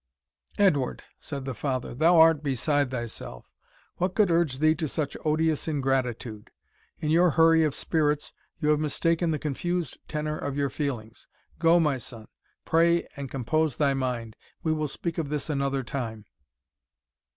"Edward," said the father, "thou art beside thyself what could urge thee to such odious ingratitude? In your hurry of spirits you have mistaken the confused tenor of your feelings Go, my son, pray and compose thy mind we will speak of this another time."